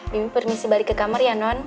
bimi permisi balik ke kamar ya non